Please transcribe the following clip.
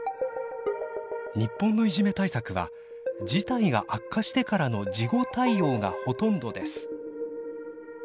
日本のいじめ対策は事態が悪化してからの事後対応がほとんどです。